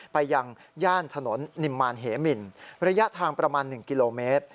ไปยังย่านถนนนิมมารเหมินระยะทางประมาณ๑กิโลเมตร